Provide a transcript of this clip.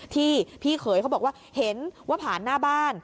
ที่พี่เขยเขาบอกว่าเห็นว่าผ่านหน้าบ้าน